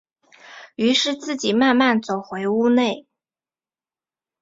於是自己慢慢走回屋内